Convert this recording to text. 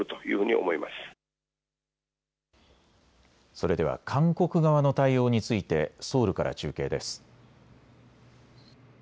それでは韓国側の対応についてソウルから中継です。